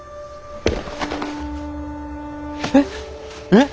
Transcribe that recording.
えっ！